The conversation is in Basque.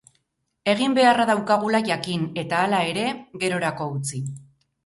Egin beharra daukagula jakin, eta, hala ere, gerorako utzi.